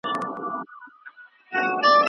که زده کړه په مورنۍ ژبه وي نو ماشوم نه ستړی کيږي.